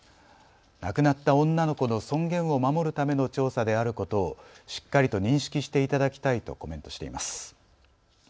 亡くなった女の子の尊厳を守るための調査であることをしっかりと認識していただきたいとコメントしています。